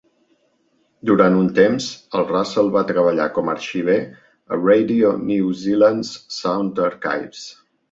Durant un temps, el Russell va treballar com a arxiver a Radio New Zealand's Sound Archives.